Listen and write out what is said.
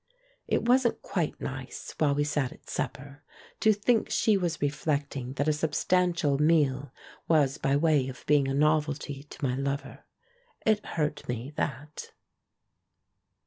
It wasn't quite nice, while we sat at supper, to think she was reflecting that a substantial meal was by way of being a novelty to my lover. It hurt me, that.